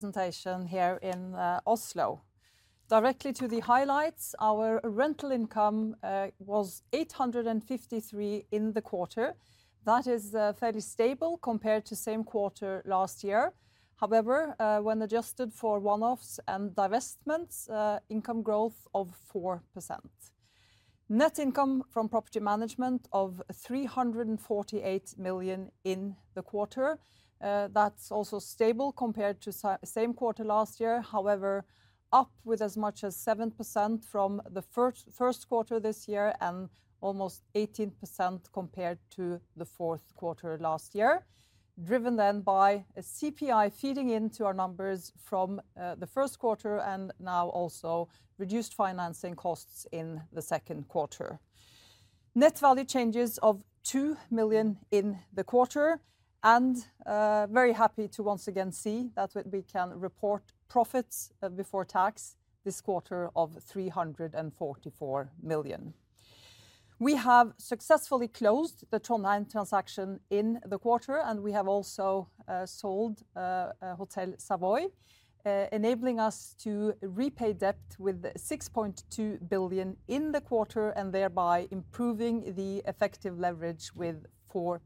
Presentation here in Oslo. Directly to the highlights, our rental income was 853 million in the quarter. That is fairly stable compared to same quarter last year. However, when adjusted for one-offs and divestments, income growth of 4%. Net income from property management of 348 million in the quarter. That's also stable compared to same quarter last year, however, up with as much as 7% from the first quarter this year and almost 18% compared to the fourth quarter last year. Driven then by a CPI feeding into our numbers from the first quarter, and now also reduced financing costs in the second quarter. Net value changes of 2 million in the quarter, and very happy to once again see that we can report profits before tax this quarter of 344 million. We have successfully closed the Trondheim transaction in the quarter, and we have also sold Hotel Savoy, enabling us to repay debt with 6.2 billion in the quarter, and thereby improving the effective leverage with four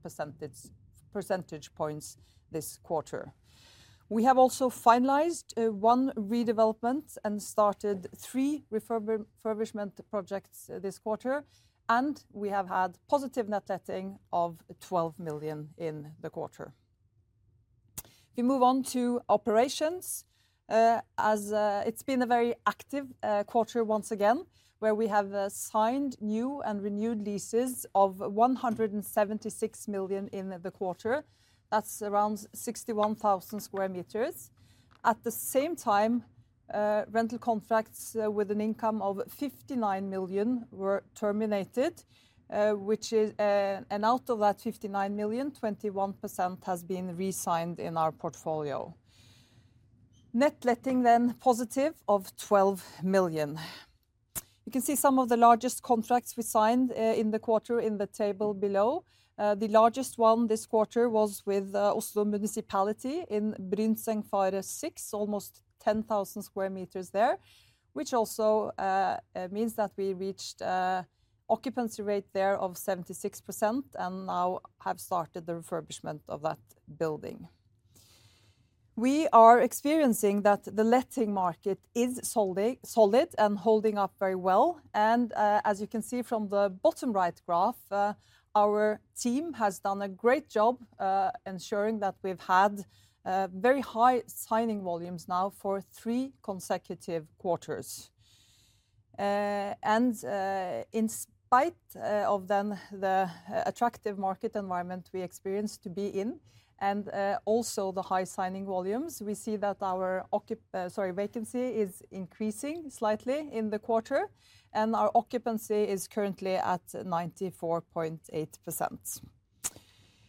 percentage points this quarter. We have also finalized one redevelopment and started three refurbishment projects this quarter, and we have had positive net letting of 12 million in the quarter. We move on to operations. As it's been a very active quarter once again, where we have signed new and renewed leases of 176 million in the quarter. That's around 61,000 square meters. At the same time, rental contracts with an income of 59 million were terminated, and out of that 59 million, 21% has been re-signed in our portfolio. Net letting then positive of 12 million. You can see some of the largest contracts we signed in the quarter in the table below. The largest one this quarter was with Oslo Municipality in Brynsengfaret 6, almost 10,000 square meters there, which also means that we reached an occupancy rate there of 76% and now have started the refurbishment of that building. We are experiencing that the letting market is solid, solid and holding up very well, and as you can see from the bottom right graph, our team has done a great job ensuring that we've had very high signing volumes now for three consecutive quarters. In spite of the attractive market environment we experience to be in and also the high signing volumes, we see that our vacancy is increasing slightly in the quarter, and our occupancy is currently at 94.8%.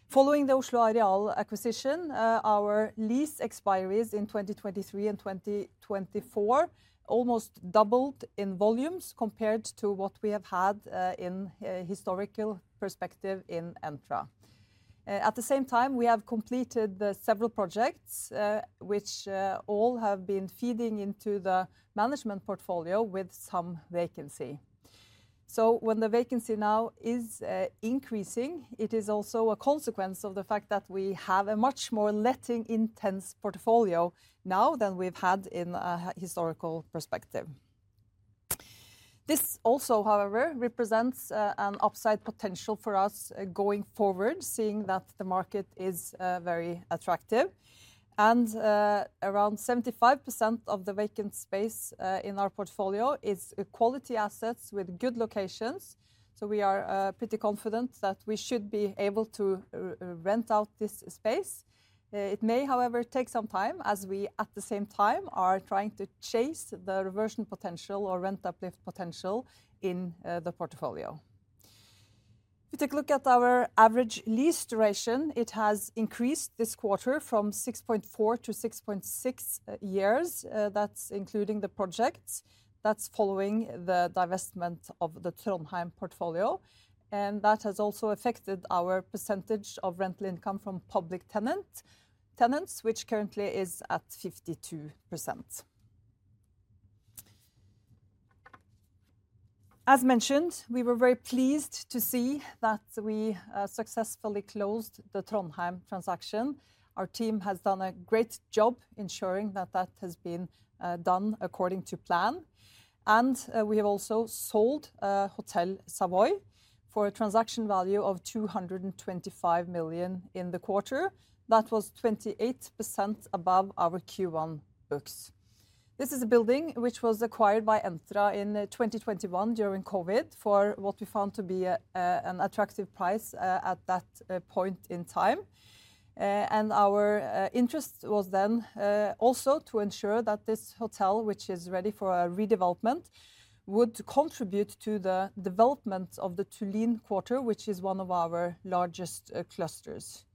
Following the Oslo Areal acquisition, our lease expiries in 2023 and 2024 almost doubled in volumes compared to what we have had in a historical perspective in Entra. At the same time, we have completed the several projects, which all have been feeding into the management portfolio with some vacancy. So when the vacancy now is increasing, it is also a consequence of the fact that we have a much more letting intense portfolio now than we've had in a historical perspective. This also, however, represents an upside potential for us going forward, seeing that the market is very attractive. Around 75% of the vacant space in our portfolio is quality assets with good locations, so we are pretty confident that we should be able to rent out this space. It may, however, take some time, as we, at the same time, are trying to chase the reversion potential or rent uplift potential in the portfolio. If you take a look at our average lease duration, it has increased this quarter from 6.4-6.6 years. That's including the projects. That's following the divestment of the Trondheim portfolio, and that has also affected our percentage of rental income from public tenants, which currently is at 52%. As mentioned, we were very pleased to see that we successfully closed the Trondheim transaction. Our team has done a great job ensuring that that has been done according to plan, and we have also sold Hotel Savoy for a transaction value of 225 million in the quarter. That was 28% above our Q1 books. This is a building which was acquired by Entra in 2021 during COVID for what we found to be a, a, an attractive price at that point in time. And our interest was then also to ensure that this hotel, which is ready for a redevelopment, would contribute to the development of the Tullin Quarter, which is one of our largest clusters.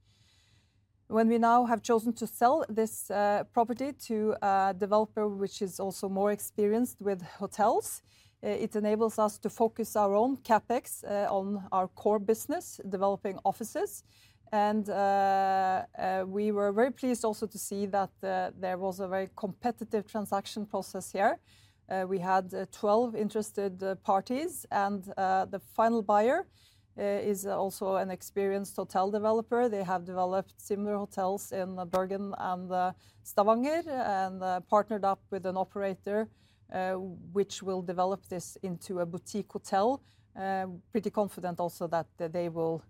When we now have chosen to sell this property to a developer, which is also more experienced with hotels, it enables us to focus our own CapEx on our core business, developing offices, and we were very pleased also to see that there was a very competitive transaction process here. We had 12 interested parties, and the final buyer is also an experienced hotel developer. They have developed similar hotels in Bergen and Stavanger, and partnered up with an operator which will develop this into a boutique hotel. Pretty confident also that they will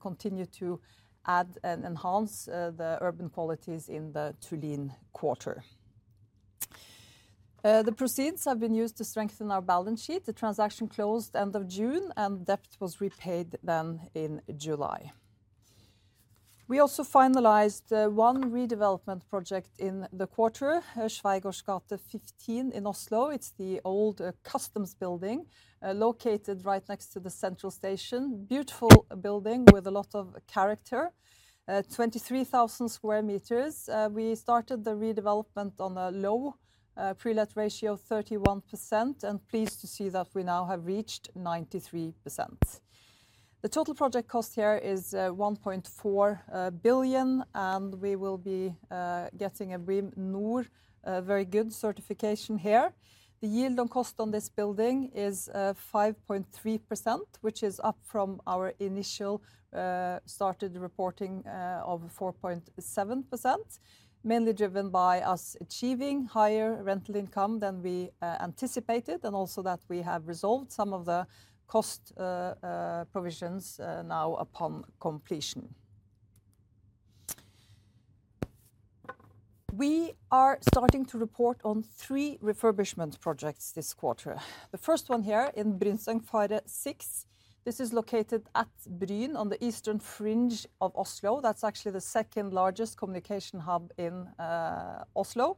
continue to add and enhance the urban qualities in the Tullin Quarter. The proceeds have been used to strengthen our balance sheet. The transaction closed end of June, and debt was repaid then in July. We also finalized one redevelopment project in the quarter, Schweigaards gate 15 in Oslo. It's the old customs building located right next to the Central Station. Beautiful building with a lot of character, 23,000 sq m. We started the redevelopment on a low pre-let ratio of 31%, and pleased to see that we now have reached 93%. The total project cost here is 1.4 billion, and we will be getting a BREEAM-NOR Very Good certification here. The yield on cost on this building is 5.3%, which is up from our initial started reporting of 4.7%, mainly driven by us achieving higher rental income than we anticipated, and also that we have resolved some of the cost provisions now upon completion. We are starting to report on three refurbishment projects this quarter. The first one here in Brynsengfaret 6. This is located at Bryn on the eastern fringe of Oslo. That's actually the second-largest communication hub in Oslo.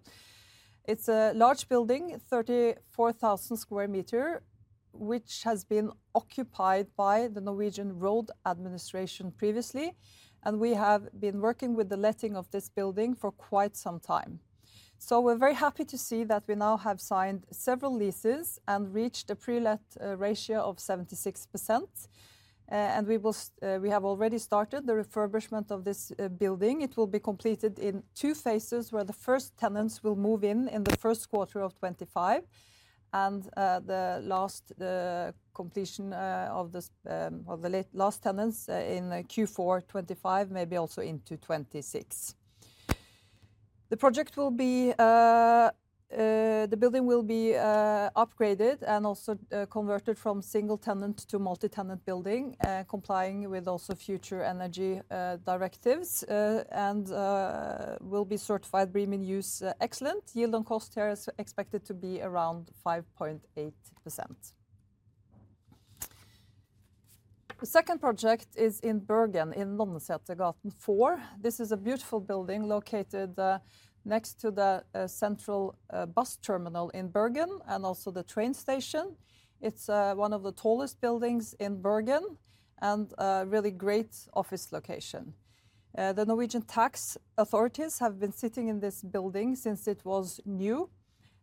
It's a large building, 34,000 square meter, which has been occupied by the Norwegian Public Roads Administration previously, and we have been working with the letting of this building for quite some time. So we're very happy to see that we now have signed several leases and reached a pre-let ratio of 76%, and we have already started the refurbishment of this building. It will be completed in two phases, where the first tenants will move in in the first quarter of 2025, and the last completion of the last tenants in Q4 2025, maybe also into 2026. The building will be upgraded and also converted from single tenant to multi-tenant building, complying with also future energy directives, and will be certified BREEAM In-Use Excellent. Yield on cost here is expected to be around 5.8%. The second project is in Bergen, in Nonnesetergaten 4. This is a beautiful building located next to the central bus terminal in Bergen and also the train station. It's one of the tallest buildings in Bergen and a really great office location. The Norwegian Tax Administration have been sitting in this building since it was new,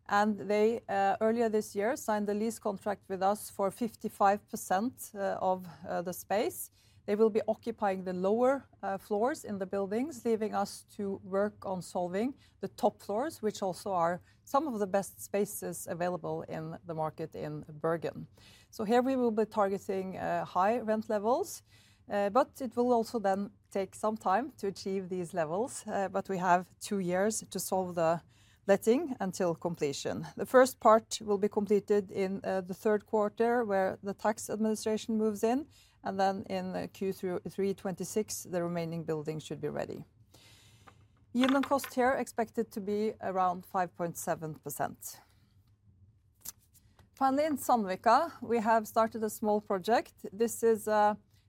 and they earlier this year signed a lease contract with us for 55% of the space. They will be occupying the lower floors in the buildings, leaving us to work on solving the top floors, which also are some of the best spaces available in the market in Bergen. So here we will be targeting high rent levels, but it will also then take some time to achieve these levels. But we have two years to solve the letting until completion. The first part will be completed in the third quarter, where the tax administration moves in, and then in Q3 2026, the remaining building should be ready. Yield on cost here expected to be around 5.7%. Finally, in Sandvika, we have started a small project. This is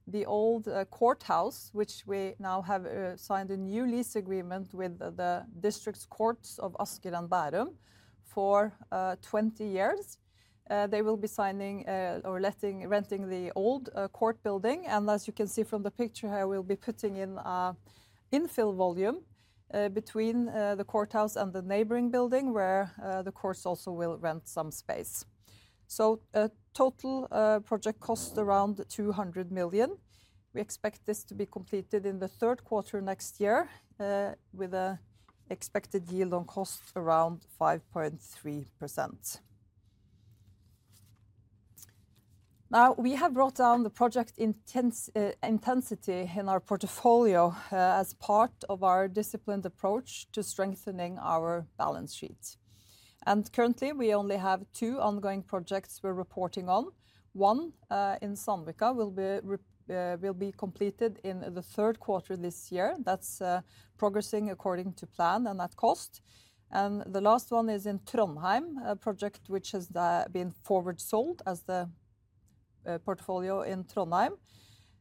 the old courthouse, which we now have signed a new lease agreement with the District Courts of Asker and Bærum for 20 years. They will be signing or letting, renting the old court building, and as you can see from the picture here, we'll be putting in an infill volume between the courthouse and the neighboring building, where the courts also will rent some space. So, total project cost around 200 million. We expect this to be completed in the third quarter next year, with an expected yield on cost around 5.3%. Now, we have brought down the project intensity in our portfolio, as part of our disciplined approach to strengthening our balance sheet, and currently, we only have two ongoing projects we're reporting on. One in Sandvika will be completed in the third quarter this year. That's progressing according to plan and at cost. The last one is in Trondheim, a project which has been forward sold as the portfolio in Trondheim,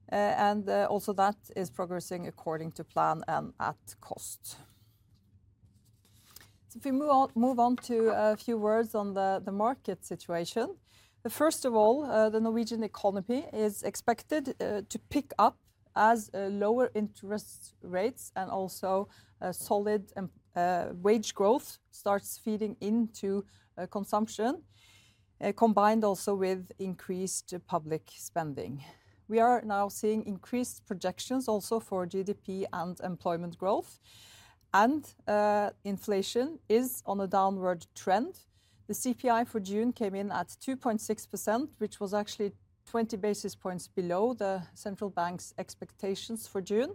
and also that is progressing according to plan and at cost. If we move on to a few words on the market situation. First of all, the Norwegian economy is expected to pick up as lower interest rates and also solid and wage growth starts feeding into consumption, combined also with increased public spending. We are now seeing increased projections also for GDP and employment growth, and inflation is on a downward trend. The CPI for June came in at 2.6%, which was actually 20 basis points below the central bank's expectations for June.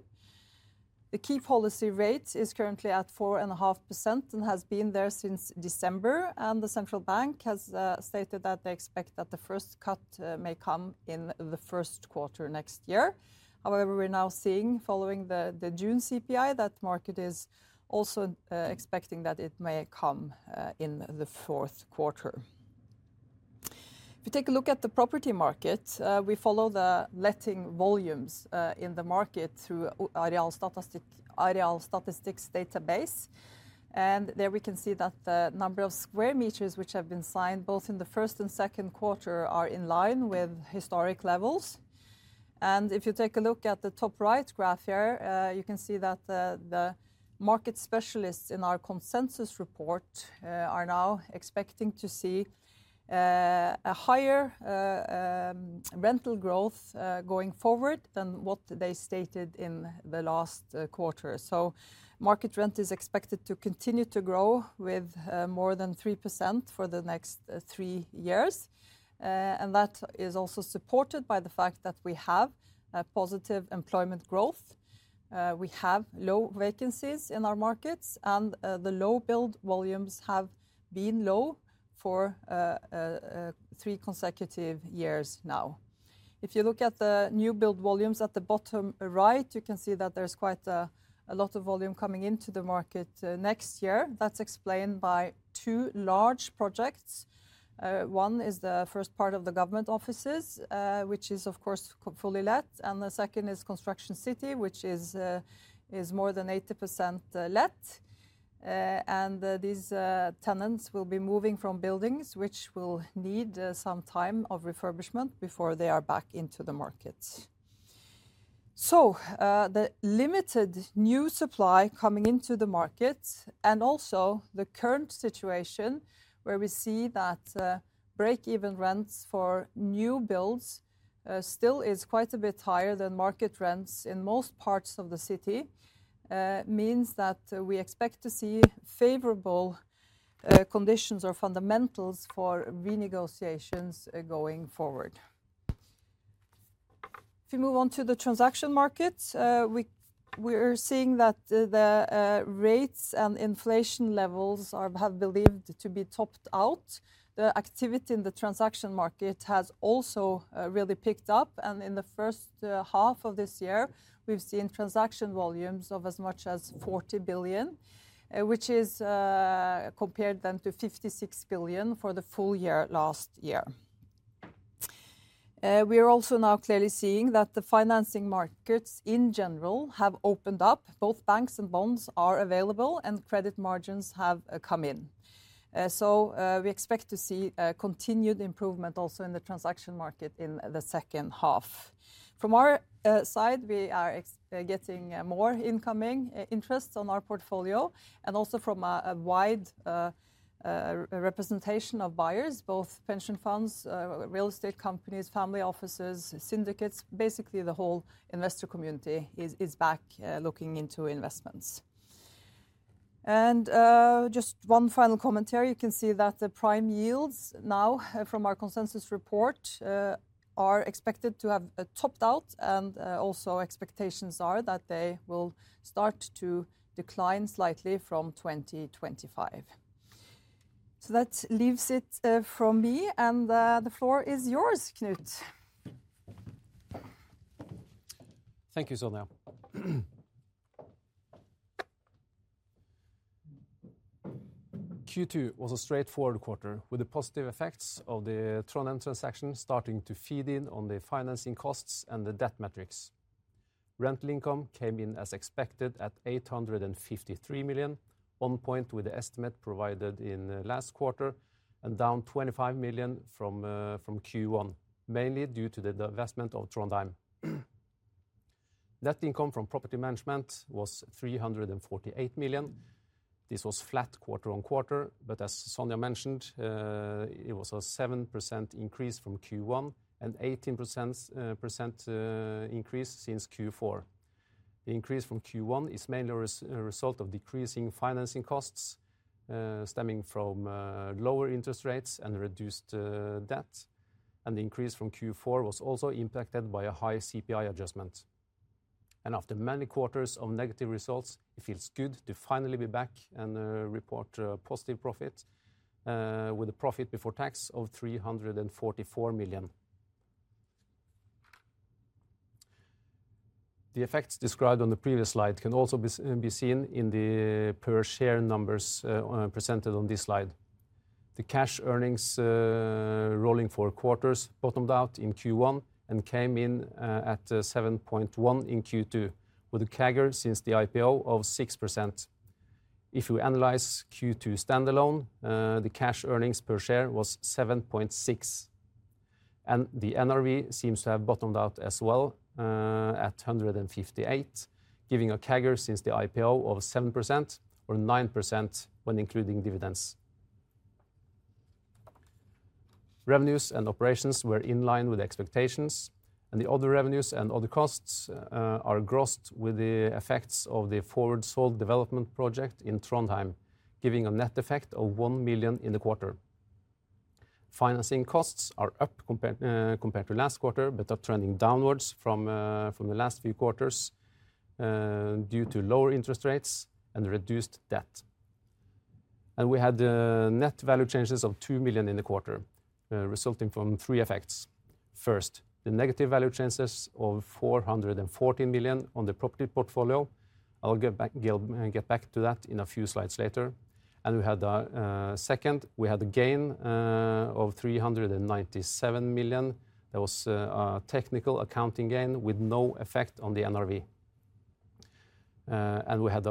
The key policy rate is currently at 4.5% and has been there since December, and the central bank has stated that they expect that the first cut may come in the first quarter next year. However, we're now seeing, following the June CPI, that the market is also expecting that it may come in the fourth quarter. If you take a look at the property market, we follow the letting volumes in the market through Arealstatistikk's database. And there we can see that the number of square meters which have been signed, both in the first and second quarter, are in line with historic levels. If you take a look at the top right graph here, you can see that the market specialists in our consensus report are now expecting to see a higher rental growth going forward than what they stated in the last quarter. Market rent is expected to continue to grow with more than 3% for the next three years. And that is also supported by the fact that we have a positive employment growth, we have low vacancies in our markets, and the low build volumes have been low for three consecutive years now. If you look at the new build volumes at the bottom right, you can see that there's quite a lot of volume coming into the market next year. That's explained by two large projects. One is the first part of the government offices, which is, of course, fully let, and the second is Construction City, which is more than 80% let. And these tenants will be moving from buildings which will need some time of refurbishment before they are back into the market. So, the limited new supply coming into the market and also the current situation where we see that break-even rents for new builds still is quite a bit higher than market rents in most parts of the city means that we expect to see favorable conditions or fundamentals for renegotiations going forward. If you move on to the transaction market, we are seeing that the rates and inflation levels are believed to be topped out. The activity in the transaction market has also really picked up, and in the first half of this year, we've seen transaction volumes of as much as 40 billion, which is compared then to 56 billion for the full year last year. We are also now clearly seeing that the financing markets in general have opened up. Both banks and bonds are available, and credit margins have come in. So we expect to see continued improvement also in the transaction market in the second half. From our side, we are getting more incoming interest on our portfolio, and also from a wide representation of buyers, both pension funds, real estate companies, family offices, syndicates. Basically, the whole investor community is back looking into investments. And just one final commentary. You can see that the prime yields now, from our consensus report, are expected to have topped out, and also expectations are that they will start to decline slightly from 2025. So that leaves it from me, and the floor is yours, Knut. Thank you, Sonja. Q2 was a straightforward quarter, with the positive effects of the Trondheim transaction starting to feed in on the financing costs and the debt metrics. Rental income came in as expected at 853 million, on point with the estimate provided in last quarter, and down 25 million from Q1, mainly due to the divestment of Trondheim. Net income from property management was 348 million. This was flat quarter-over-quarter, but as Sonja mentioned, it was a 7% increase from Q1 and 18% increase since Q4. The increase from Q1 is mainly a result of decreasing financing costs stemming from lower interest rates and reduced debt. The increase from Q4 was also impacted by a high CPI adjustment. After many quarters of negative results, it feels good to finally be back and report a positive profit with a profit before tax of 344 million. The effects described on the previous slide can also be seen in the per share numbers presented on this slide. The cash earnings rolling four quarters bottomed out in Q1 and came in at 7.1 in Q2, with a CAGR since the IPO of 6%. If you analyze Q2 standalone, the cash earnings per share was 7.6 and the NRV seems to have bottomed out as well at 158, giving a CAGR since the IPO of 7% or 9% when including dividends. Revenues and operations were in line with expectations, and the other revenues and other costs are grossed with the effects of the forward sold development project in Trondheim, giving a net effect of 1 million in the quarter. Financing costs are up compared to last quarter, but are trending downwards from the last few quarters due to lower interest rates and reduced debt. We had net value changes of 2 million in the quarter, resulting from three effects. First, the negative value changes of 414 million on the property portfolio. I'll get back to that in a few slides later. Second, we had a gain of 397 million. That was a technical accounting gain with no effect on the NRV. And we had...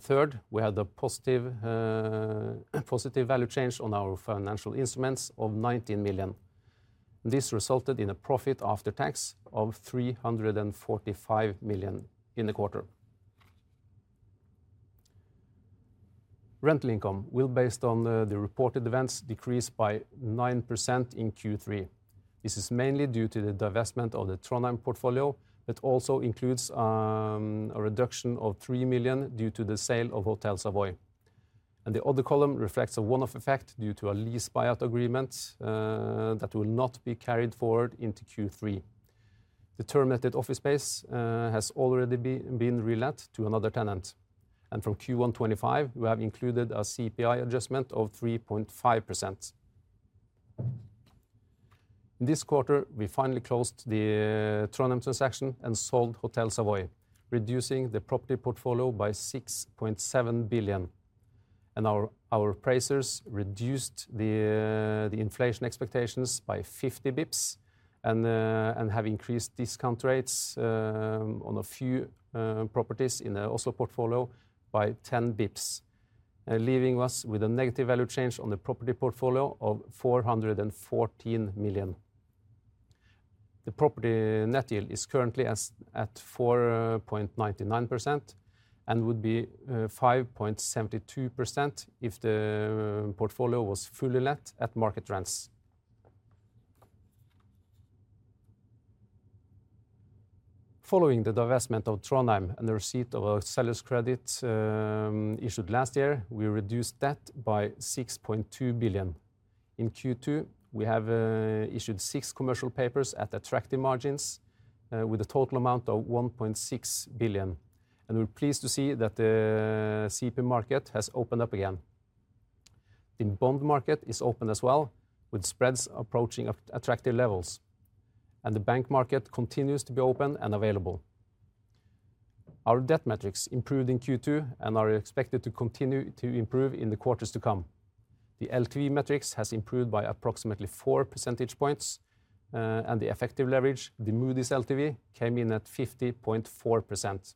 Third, we had a positive value change on our financial instruments of 19 million. This resulted in a profit after tax of 345 million in the quarter. Rental income will, based on the reported events, decrease by 9% in Q3. This is mainly due to the divestment of the Trondheim portfolio. It also includes a reduction of 3 million due to the sale of Hotel Savoy. And the other column reflects a one-off effect due to a lease buyout agreement that will not be carried forward into Q3. The terminated office space has already been re-let to another tenant, and from Q1 2025, we have included a CPI adjustment of 3.5%. This quarter, we finally closed the Trondheim transaction and sold Hotel Savoy, reducing the property portfolio by 6.7 billion. And our appraisers reduced the inflation expectations by 50 basis points and have increased discount rates on a few properties in the Oslo portfolio by 10 basis points, leaving us with a negative value change on the property portfolio of 414 million. The property net yield is currently as at 4.99% and would be 5.72% if the portfolio was fully let at market rents. Following the divestment of Trondheim and the receipt of a seller's credit issued last year, we reduced debt by 6.2 billion. In Q2, we have issued six commercial papers at attractive margins with a total amount of 1.6 billion, and we're pleased to see that the CP market has opened up again. The bond market is open as well, with spreads approaching at attractive levels, and the bank market continues to be open and available. Our debt metrics improved in Q2 and are expected to continue to improve in the quarters to come. The LTV metrics has improved by approximately four percentage points, and the effective leverage, the Moody's LTV, came in at 50.4%.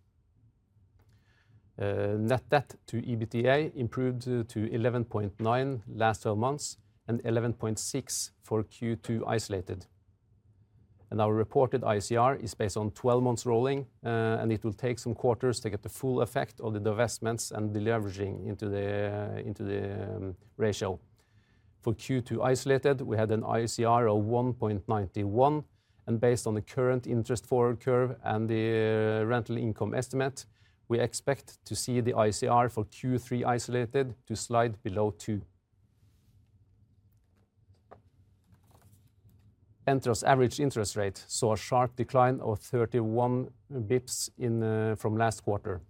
Net debt to EBITDA improved to 11.9 last twelve months and 11.6 for Q2 isolated. And our reported ICR is based on twelve months rolling, and it will take some quarters to get the full effect of the divestments and deleveraging into the ratio. For Q2 isolated, we had an ICR of 1.91, and based on the current interest forward curve and the rental income estimate, we expect to see the ICR for Q3 isolated to slide below 2. Entra's average interest rate saw a sharp decline of 31 basis points in from last quarter.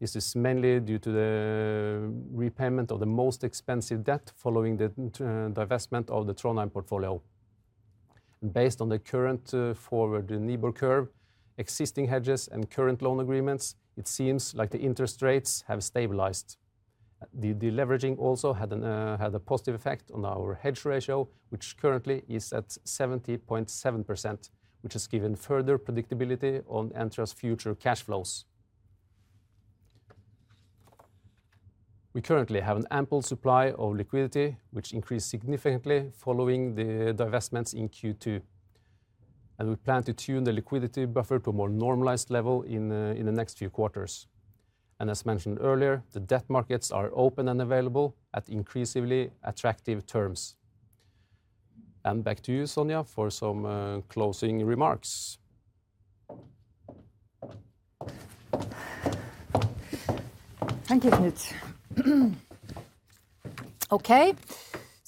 This is mainly due to the repayment of the most expensive debt following the divestment of the Trondheim portfolio. Based on the current forward NIBOR curve, existing hedges, and current loan agreements, it seems like the interest rates have stabilized. The deleveraging also had a positive effect on our hedge ratio, which currently is at 70.7%, which has given further predictability on Entra's future cash flows. We currently have an ample supply of liquidity, which increased significantly following the divestments in Q2, and we plan to tune the liquidity buffer to a more normalized level in the next few quarters. As mentioned earlier, the debt markets are open and available at increasingly attractive terms. Back to you, Sonja, for some closing remarks. Thank you, Knut. Okay,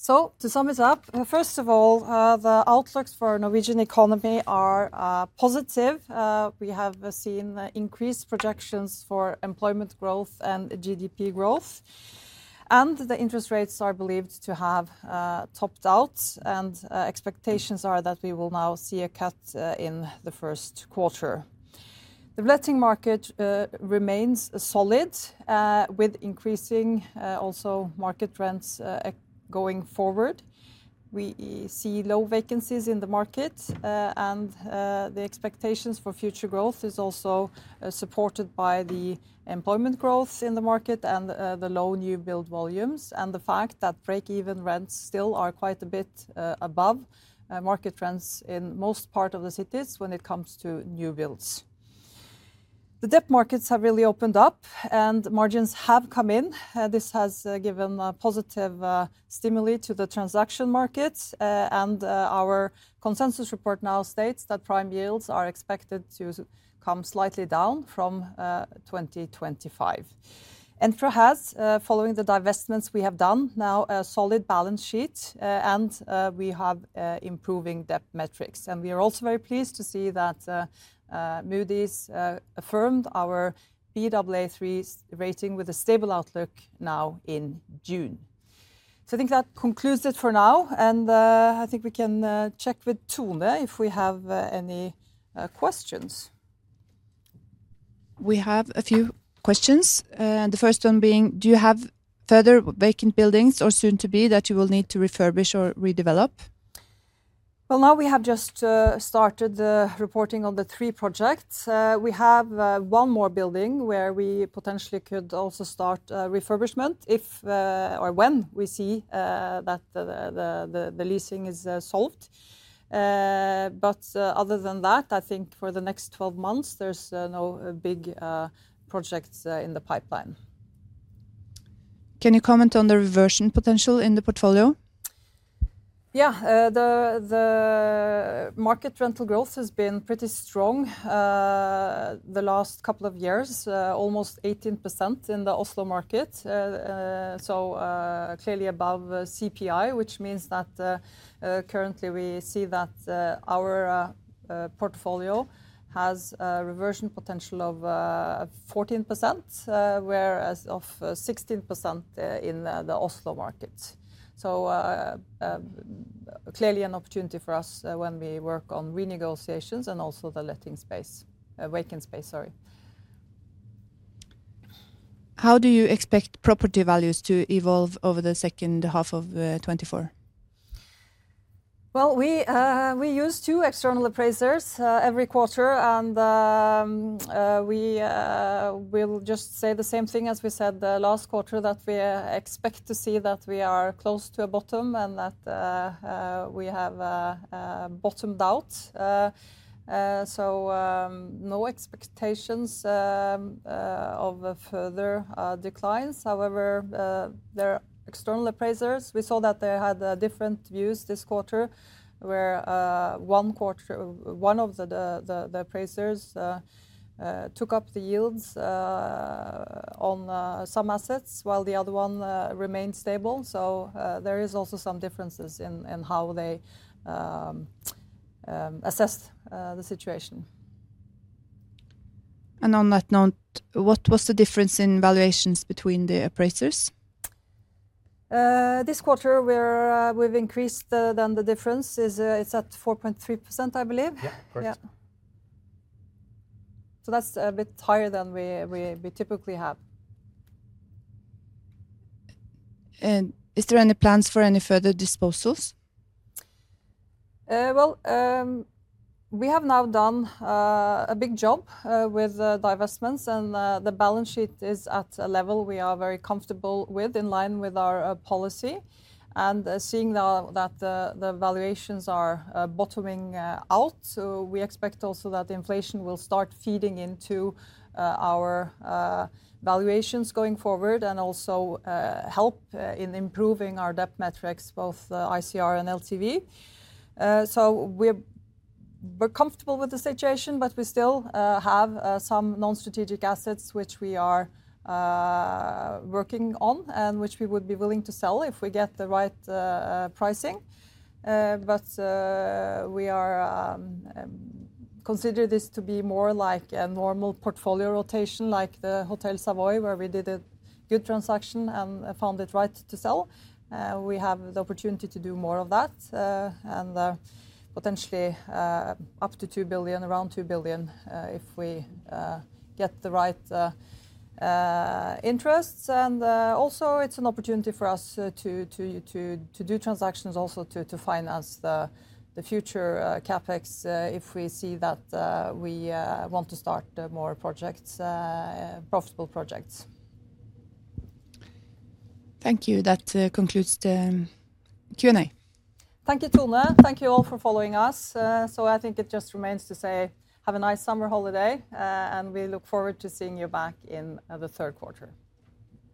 so to sum it up, first of all, the outlooks for Norwegian economy are positive. We have seen increased projections for employment growth and GDP growth, and the interest rates are believed to have topped out, and expectations are that we will now see a cut in the first quarter. The letting market remains solid with increasing also market rents going forward. We see low vacancies in the market, and the expectations for future growth is also supported by the employment growth in the market and the low new build volumes, and the fact that break-even rents still are quite a bit above market rents in most part of the cities when it comes to new builds. The debt markets have really opened up, and margins have come in. This has given a positive stimulus to the transaction markets. Our consensus report now states that prime yields are expected to come slightly down from 2025. For us, following the divestments we have done, now a solid balance sheet, and we have improving debt metrics. We are also very pleased to see that Moody's affirmed our Baa3 rating with a stable outlook now in June. So I think that concludes it for now, and I think we can check with Tone, if we have any questions. We have a few questions. The first one being, do you have further vacant buildings or soon to be that you will need to refurbish or redevelop? Well, now we have just started the reporting on the three projects. We have one more building where we potentially could also start refurbishment if or when we see that the leasing is solved. But other than that, I think for the next 12 months, there's no big projects in the pipeline. Can you comment on the reversion potential in the portfolio? Yeah. The market rental growth has been pretty strong the last couple of years, almost 18% in the Oslo market. So, clearly above CPI, which means that currently we see that our portfolio has a reversion potential of 14%, whereas of 16% in the Oslo market. So, clearly an opportunity for us when we work on renegotiations and also the letting space, vacant space, sorry. How do you expect property values to evolve over the second half of 2024? Well, we use two external appraisers every quarter. And we will just say the same thing as we said the last quarter, that we expect to see that we are close to a bottom, and that we have bottomed out. So, no expectations of further declines. However, there are external appraisers. We saw that they had different views this quarter, where one of the appraisers took up the yields on some assets, while the other one remained stable. So, there is also some differences in how they assess the situation. On that note, what was the difference in valuations between the appraisers? This quarter, we've increased than the difference. It's at 4.3%, I believe. Yeah, correct. Yeah. So that's a bit higher than we typically have. Is there any plans for any further disposals? Well, we have now done a big job with divestments, and the balance sheet is at a level we are very comfortable with, in line with our policy. And seeing now that the valuations are bottoming out, so we expect also that inflation will start feeding into our valuations going forward and also help in improving our debt metrics, both ICR and LTV. So we're comfortable with the situation, but we still have some non-strategic assets, which we are working on and which we would be willing to sell if we get the right pricing. But we are consider this to be more like a normal portfolio rotation, like the Hotel Savoy, where we did a good transaction and found it right to sell. We have the opportunity to do more of that, and potentially up to 2 billion, around 2 billion, if we get the right interests. Also, it's an opportunity for us to do transactions, also to finance the future CapEx, if we see that we want to start more projects, profitable projects. Thank you. That concludes the Q&A. Thank you, Tone. Thank you all for following us. I think it just remains to say, have a nice summer holiday, and we look forward to seeing you back in the third quarter.